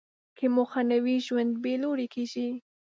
که موخه نه وي، ژوند بېلوري کېږي.